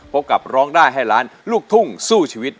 กับร้องได้ให้ล้านลูกทุ่งสู้ชีวิต